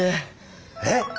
えっ